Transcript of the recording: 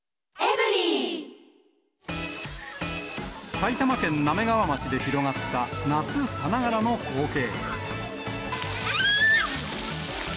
埼玉県滑川町で広がった夏さながらの光景。